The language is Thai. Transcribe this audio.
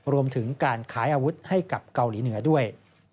รวมถึงการขายอาวุธให้กับเกาหลีเหนือด้วย